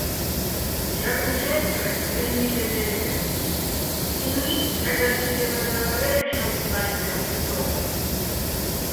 ჟაგნო̆ ხე́ტტრენ მელ'მი დე დე́წერ, კინუჲნი̆ ცჰ̦ა გასი́რებადალარე́ შაუზტყაიტტ კაპიკ თო́ყურ.